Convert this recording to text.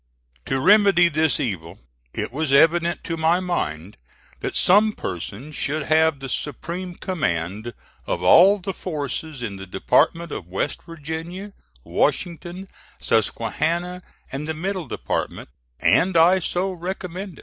To remedy this evil, it was evident to my mind that some person should have the supreme command of all the forces in the Department of West Virginia, Washington, Susquehanna, and the Middle Department, and I so recommended.